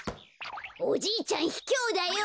おじいちゃんひきょうだよ！